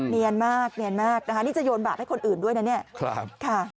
เนียนมากนี่จะโยนบาปให้คนอื่นด้วยนะเนี่ย